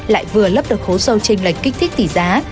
lại vừa lấp được khấu sâu trên lệch kích thích tỷ giá